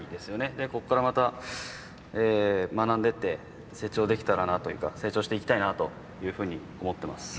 でここからまた学んでって成長できたらなというか成長していきたいなというふうに思ってます。